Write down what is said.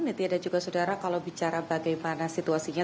nitya dan juga saudara kalau bicara bagaimana situasinya